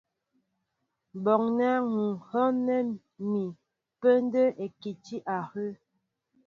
Bɔɔnɛ́ ŋ̀ hɔ́ɔ́ŋɛ́ mi pə́ndə́ íkɛti áhə'.